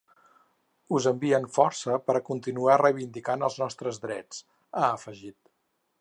Us envien força per a continuar reivindicant els nostres drets, ha afegit.